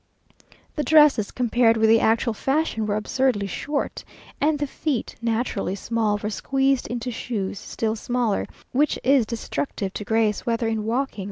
The dresses, compared with the actual fashion, were absurdly short, and the feet, naturally small, were squeezed into shoes still smaller, which is destructive to grace, whether in walking or dancing.